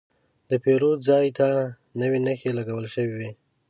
د پیرود ځای ته نوې نښې لګول شوې وې.